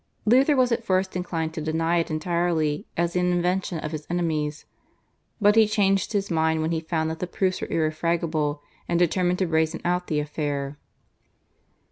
Luther was at first inclined to deny it entirely as an invention of his enemies, but he changed his mind when he found that the proofs were irrefragable and determined to brazen out the affair.